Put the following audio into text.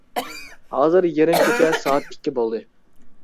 ھازىر يېرىم كېچە سائەت ئىككى بولدى.